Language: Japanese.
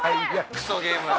クソゲームや。